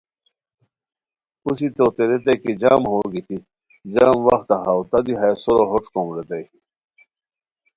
پوشی توتے ریتائے کی جم ہو گیتی، جم وختہ ہاؤ تہ دی ہیہ سورو ہوݯ کوم ریتائے